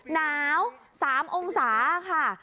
หนาว๓องศาค่ะ